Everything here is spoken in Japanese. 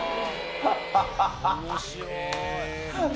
面白い！